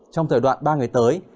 trong thời đoạn ba ngày tới